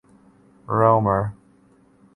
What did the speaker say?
Romer.